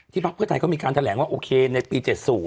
ที่พระพ่อไทยเขามีการแถลงว่าโอเคในปี๗๐